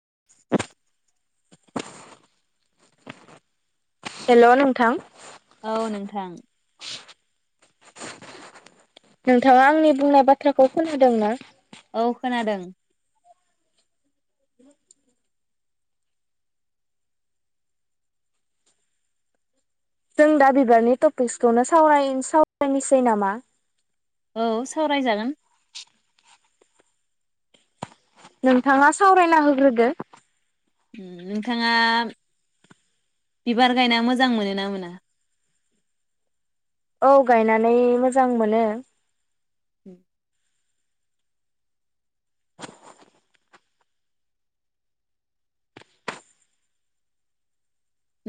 [inaudible] हेल' नोंथां औ नोंथां नोंथाङा आंनि बुंनाय बाथ्राखौ खोनादों ना? औ खोनादों। जों दा बिबारनि टपिक्सखौनो सावरान सावरायनोसै नामा। औ सावरायजागोन। नोंथाङा सावरायना होग्रोदो। उम नोंथाङा बिबार गायना मोजां मोनोना मोना? औ गायनानै मोजां मोनो। उम। [inaudible]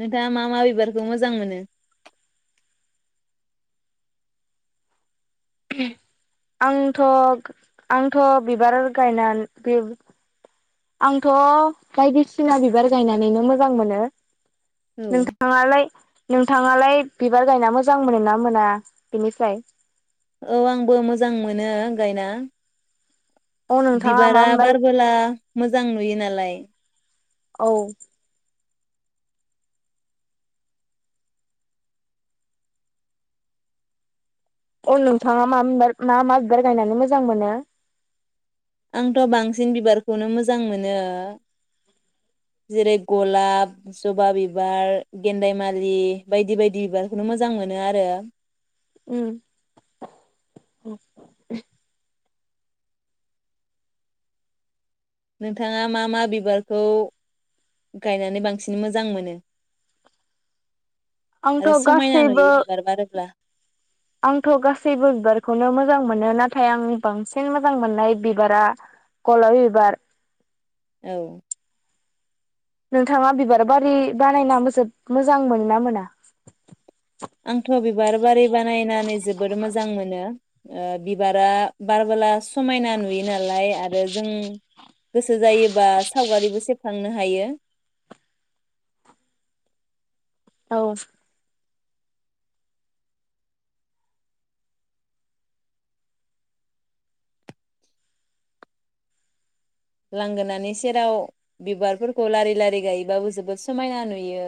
नोंथाङा मा मा बिबारखौ मोजां मोनो। आंथ आंथ बिबार गायनानै बेब आंथ बायदिसिना बिबार गायनानैनो मोजां मोनो। औ नोंथाङालाय? नोंथाङालाय बिबार गायना मोजां मोनो ना मोना बिनिफ्राय औ आंबो मोजां मोनो गायना। अ नोंथाङा मा बिबारा बिबार बारबोला मोजां नुयो नालाय। [unintelligible] औ अ नोंथाङा मा बिबार मा मा बिबार गायनानै मोजां मोनो? आंथ बांसिन बिबारखौनो मोजां मोनो जेरै गलाब जबा बिबार गेन्दायमालि बायदि बायदि बिबारखौनो मोजां मोनो आरो। उम। नोंथाङा मा मा बिबारखौ गायनानै बांसिन मोजां मोनो? आरो आंथ' समायना नुयो गासैबो बिबार बारोब्ला। आंथ गासैबो बिबारखौनो मोजां मोनो नाथाय आं बांसिन मोजां मोननाय बिबारा गलाब बिबार। औ। नोंथाङा बिबार बारि बानायनानै जोब मोजां मोनो ना मोना? आंथ' बिबार बारि बानायनानै जोबोद मोजां मोनो। ओ बिबारा बारबोला समायना नुयो नालाय आरो जों गो सो जायोबा सावगारिबो से खांनोबो हायो। औ। लांगोनानि सेराव बिबारफोरखौ लारि लारि गायोबाबो जोबोद समायना नुयो।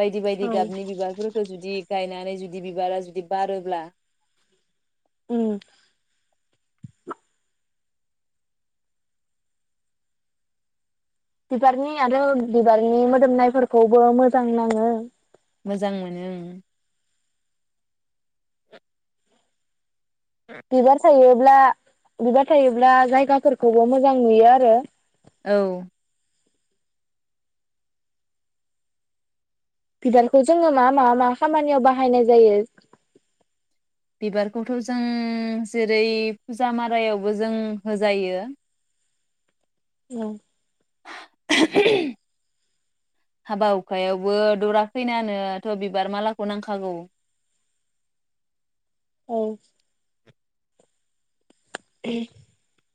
बायदि बायदि गाबनि बिबारफोरखो जुदि गायनानै जुदि बिबारा जुदि बारोब्ला उम। बिबारनि आरो बिबारनि मोदोमनायफोरखौबो मोजां नाङो। मोजां मोनो उम। बिबार थायो ब्ला बिबार थायोब्ला जायगाफोरखौबो मोजां नुयो आरो। औ। बिबारखौ जोङो मा मा मा खामानियाव बाहायनाय जायो? बिबारखौथ जों जेरै फुजा मारायावबो जों होजायो। औ। [unintelligible] हाबा हुखायावबो दरा खैनानोथ बिबार मालाखौ नांखागौ। ओ [unintelligible]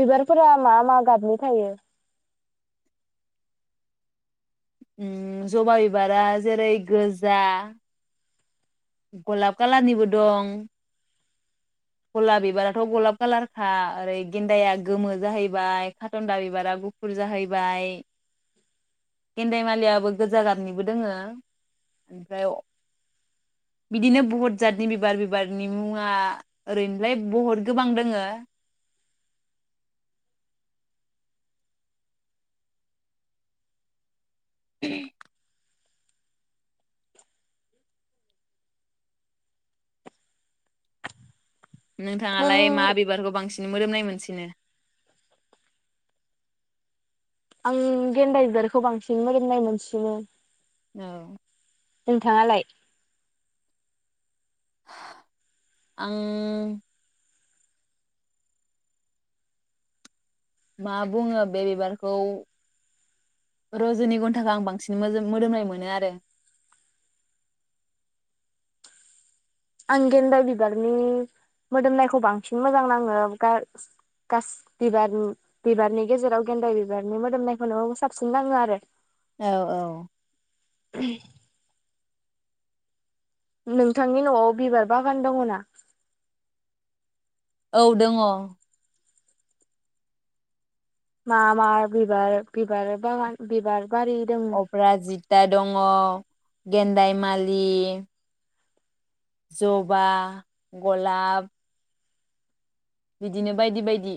बिबारफोरा मा मा गाबनि थायो। उम जबा बिबारा जेरै गोजा गलाब कालारनिबो दं गलाब बिबाराथ' गलाब कालारखा ओरै गेन्दाया गोमो जाहैबाय काटनथा बिबारा गुफुर जाहैबाय गेन्दाय मालियाबो गोजा गाबनिबो दोङो ओमफ्राय बिदिनो बहुत जातनि बिबार बिबारनि मुङा ओरैनोलाय बहुत गोबां दोङो। [unintelligible] नोंथाङालाय मा नों बिबारखौ बांसिन मोदोमनाय मोनसिनो? आं गेन्दा बिबारखौ बांसिन मोदोमनाय मोनसिनो। नो नोंथाङालाय? आं मा बुङो बे बिबारखौ रजनि गन्टाखौ आं बांसिन मोदोमनाय मोनो आरो। आं गेन्दा बिबारनि मोदोमनायखौ बांसिन मोजां नाङो गास-गास बिबार-बिबारनि गेजेराव गेन्दाय बिबारनि मोदोमनायखौनो साबसिन नाङो आरो। औ औ [unintelligible] नोंथांनि न'आव बिबार बागान दङ ना? औ दङ। मा मा बिबार बिबार बागान बिबार? बारि दङ अफ्राजिता दङ। गेन्दाय मालि, जबा, गलाब, बिदिनो बायदि बायदि।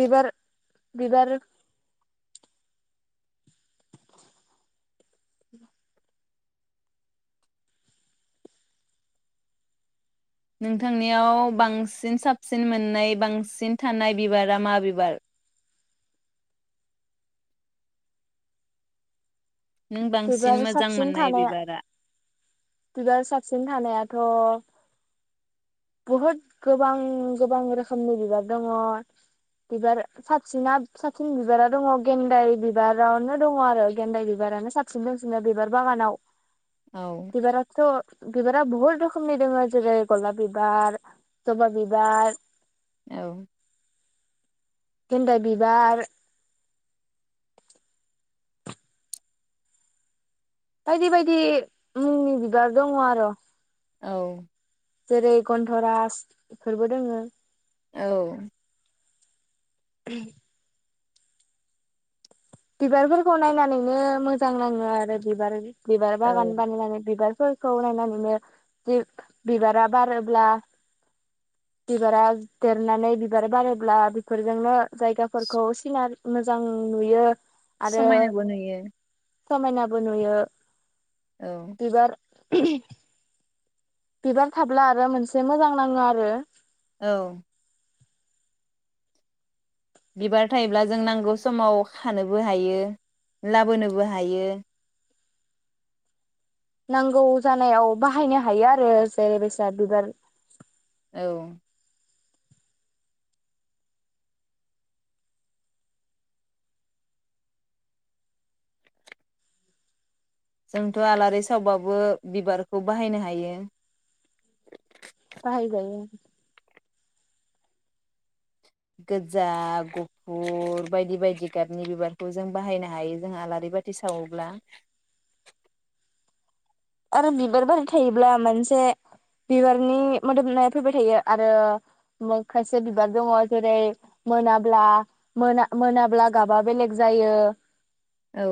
बिबार बिबार नोंथांनियाव बांसिन साबसिन मोननाय बांसिन थानाय बिबारा मा बिबार? नों बांसिन बिबार मोजां साबसिन मोननाय थानाया बिबारा? बिबार साबसिन थानायाथ' बहुद गोबां गोबां रोखोमनि बिबार दङ बिबार साबसिना साबसिन बिबारा दङ गेन्दाय बिबारावनो दङ आरो गेन्दाय बिबारानो साबसिन दोंसिनो बिबार बागानाव औ बिबाराथ' बिबार रा बहुत रोखोमनि दोङो जेरै गलाब बिबार, जबा बिबार, औ गेन्दाय बिबार बायदि बायदि मुंनि बिबार दङ आर औ जेरै गन्धरास इफोरबो दोङो। औ [unintelligible] बिबारफोरखौ नायनानैनो मोजां नाङो आरो बिबार बिबार औ बागान बानायनानै बिबार। फोरखौ नायनानैनो जि बिबारा बारोब्ला बिबारा देरनानै बिबार बारोब्ला बिफोरजोंनो जायगाफोरखौ सिनारि मोजां नुयो। आरो समायनाबो नुयो। समायनाबो नुयो। औ [unintelligible] बिबार थाब्ला आरो मोनसे मोजां नाङो आरो। औ बिबार थायोब्ला जों नांगौ समाव खानोबो हायो लाबोनोबो हायो। नांगौ जानायाव बाहायनो हायो आरो जेरै बैसाद बिबार औ जोंथ आलारि सावबाबो बिबारखौ बाहायनो हायो। बाहाय जायो। गोजा गुफुर बायदि बायदि गाबनि बिबारखौ जों बाहायनो हायो जों आलारि बाथि सावोब्ला। आरो बिबार बारि थायोब्ला मोनसे बिबारनि मोदोमनाय फैबाय थायो आरो मो खायसे बिबार दङ' जेरै मोनाब्ला मोना मोनाब्ला गाबा बेलेग जायो। औ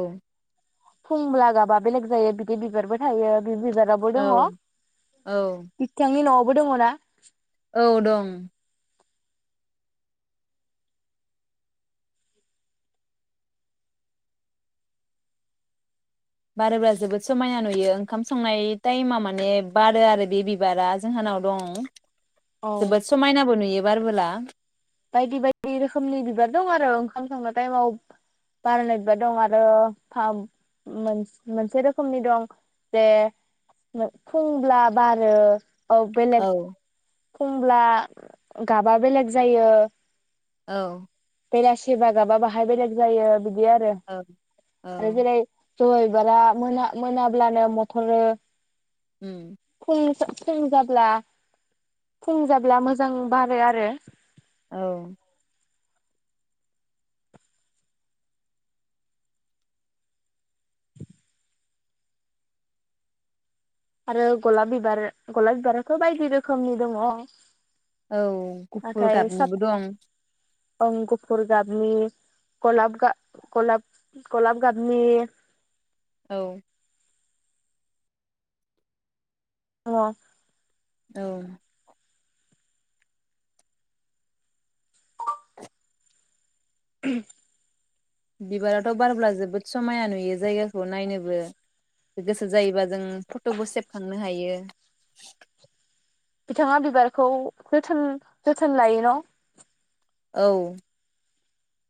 फुंब्ला जाबा बेलेग जायो बिदि बिबारबोर [unintelligible] बे बिबाराबो दङ औ बिथांनि न'आव मोदोमो ना औ दं बारोब्ला जोबोद समायना नुयो ओंखाम संनाय टाइमाव माने बारो आरो बे बिबारा जोंहानाव दं। औ जोबोद समायनाबो नुयो। बारबोला बायदि बायदि रोखोमनि बिबार दं आरो ओंखाम संनाय टाइमाव बारनाय बिबार दं आरो खाम मोनस-मोनसे रोखोमनि दं जे मोन-फुंब्ला बारो। औ बेलेग फुंब्ला गाबा बेलेग जाय यो। औ बेलासि बा गाबा बाहाय बेलेग जायो बिद दि आरो औ औ आरो जेरै जबा बिबारा मोना-मोनाब्लानो मथरो। उम [unintelligible] फुं जाब्ला फुं जाब्ला मोजां बारो आरो। औ आरो गलाब बिबार गलाब बिबाराथ' बायदि रोखोमनि दङ' औ गुफुर नाथाय साब गाबनिबो दं। ओं गुफुर गाबनि गलाब गा-गलाब गलाब गाबनि औ औ औ [inaudible] बिबाराथ' बारब्ला जोबोद समायाना नुयो जायगाखौ नायनोबो गोसो जायोबा जों फटबो सेबखांनो हायो। [inaudible] बिथाङा बिबारखौ जोथान-जोथोन लायो न? औ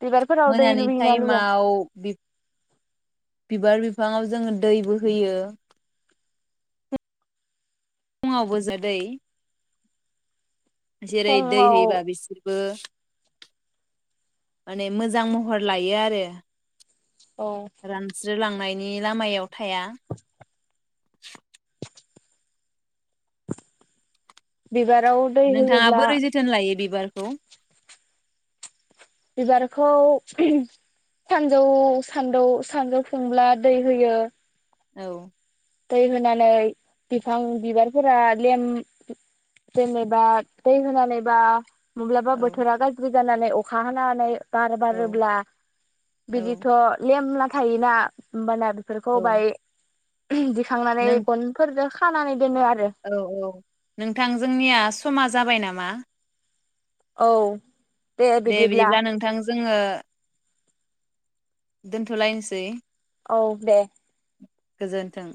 बिबारफोराव दै मोनानि लुयोना लुवा टाइमाव बि बिबार बिफाङाव जोङो दैबो होयो। फुङावबो जादै जेरै दै फुङाव होयोबा बिसोरबो माने मोजां महर लायो आरो। औ जोर लांनायनि लामायाव थाया। बिबाराव दै होयोब्ला खौ बिबारखौ सानजौ सानदौ सानजौफुंब्ला दै होयो। औ दै होनानै बिफां बिबारफोरा लेम जेनेबा दै होनानैबा मब्लाबा औ बोथोरा गाज्रि जानानै अखा हानाहोनै बार औ बारोब्ला औ बिदिथ' लेमला थायोना होमबाना बेफोरखौ औ बाय दिखांनानै नों गनफोरजो खा खानानै दोनो आरो औ औ नोंथां जोंनिया समाज जाबाय नामा? औ दे बिदिब्ला नोंथां जोङो दोनथ' लायनोसै। औ दे। गोजोन्थों।